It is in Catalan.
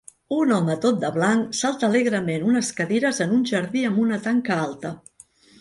Un home tot de blanc salta alegrement unes cadires en un jardí amb una tanca alta